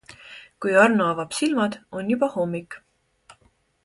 Kui Arno avab silmad, on juba hommik.